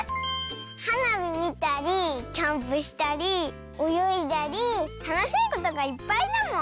はなびみたりキャンプしたりおよいだりたのしいことがいっぱいだもん。